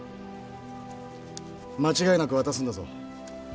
間違いなく渡すんだぞ。